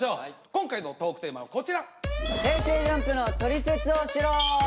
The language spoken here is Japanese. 今回のトークテーマはこちら。